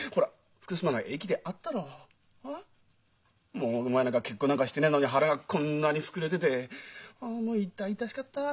もうお前結婚なんかしてないのに腹がこんなに膨れててもう痛々しかったあ。